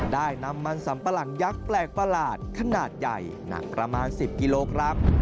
ได้นำมันสัมปะหลังยักษ์แปลกประหลาดขนาดใหญ่หนักประมาณ๑๐กิโลกรัม